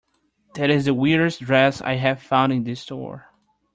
That is the weirdest dress I have found in this store.